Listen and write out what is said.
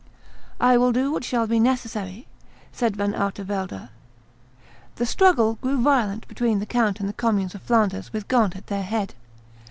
"I will do what shall be necessary," said Van Artevelde. The struggle grew violent between the count and the communes of Flanders with Ghent at their head.